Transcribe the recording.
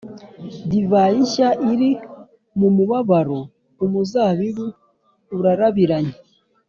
Divayi nshya iri mu mubabaro, umuzabibu urarabiranye,